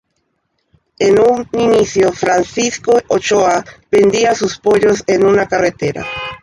En un inicio Francisco Ochoa vendía sus pollos en una carreta.